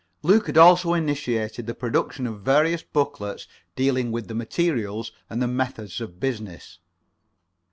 Luke had also initiated the production of various booklets dealing with the materials and the methods of business.